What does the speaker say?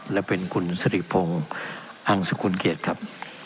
และเป็นคุณสริพงศ์ฮังสกุลเกียรติครับ